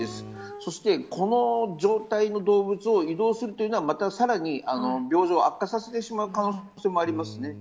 そして、この状態の動物を移動するというのはまたさらに病状を悪化させてしまう可能性もあります。